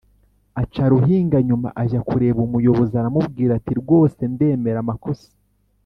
aca ruhinga nyuma ajya kureba umuyobozi aramubwira ati: “Rwose ndemera amakosa